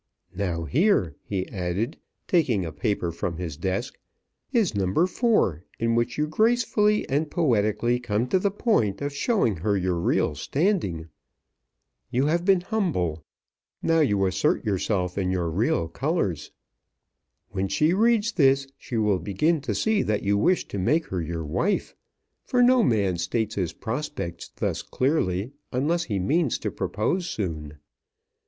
Now here," he added, taking a paper from his desk, "is No. 4, in which you gracefully and poetically come to the point of showing her your real standing. You have been humble now you assert yourself in your real colors. When she reads this she will begin to see that you wish to make her your wife, for no man states his prospects thus clearly unless he means to propose soon.